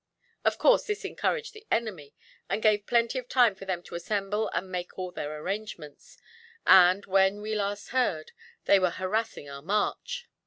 Of course this encouraged the enemy, and gave plenty of time for them to assemble and make all their arrangements and, when we last heard, they were harassing our march.